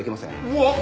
うわっ！